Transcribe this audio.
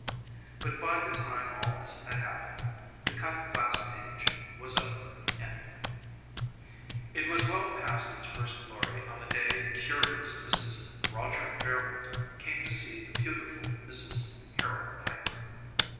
But by the time all this had happened the cut glass age was over, anyway. It was well past its first glory on the day the curious Mrs. Roger Fairboalt came to see the beautiful Mrs. Harold Piper.